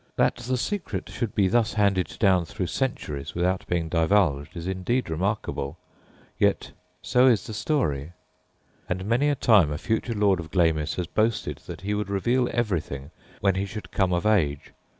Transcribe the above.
That the secret should be thus handed down through centuries without being divulged is indeed remarkable, yet so is the story; and many a time a future lord of Glamis has boasted that he would reveal everything when he should come of age.